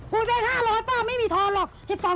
พูดไป๕๐๐บาทป๊าไม่มีทอนหรอก